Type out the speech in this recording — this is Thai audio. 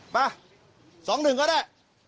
ป่ะสองถึงก็ได้